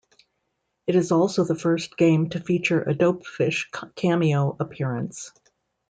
It is also the first game to feature a Dopefish cameo appearance.